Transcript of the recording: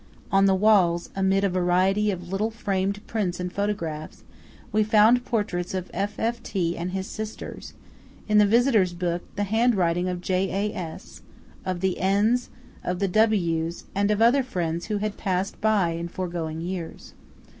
On the walls, amid a variety of little framed prints and photographs, we found portraits of F.F.T., and his sisters; in the visitor's book, the handwriting of J.A.S., of the N's, of the W's and of other friends who had passed by in foregoing years.